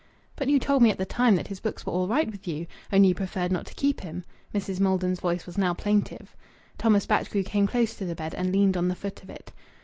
"But you told me at the time that his books were all right with you. Only you preferred not to keep him." Mrs. Maiden's voice was now plaintive. Thomas Batchgrew came close to the bed and leaned on the foot of it.